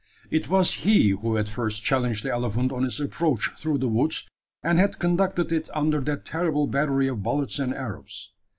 It was he who had first challenged the elephant on its approach through the woods, and had conducted it under that terrible battery of bullets and arrows.